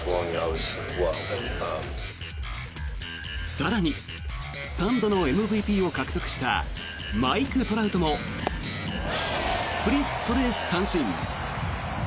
更に、３度のＭＶＰを獲得したマイク・トラウトもスプリットで三振。